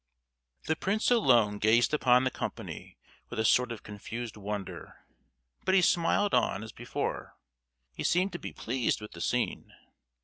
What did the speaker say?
The prince alone gazed upon the company with a sort of confused wonder; but he smiled on as before. He seemed to be pleased with the scene.